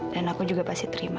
dan aku juga pasti terima